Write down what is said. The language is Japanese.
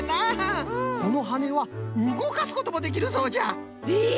このはねはうごかすこともできるそうじゃ。え！？